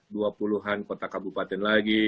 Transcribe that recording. dua puluhan kota kabupaten lagi